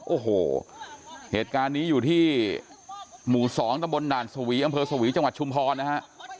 โอ้โหเหตุการณ์นี้อยู่ที่หมู่๒ตะบนด่านสวีอำเภอสวีจังหวัดชุมพรนะฮะ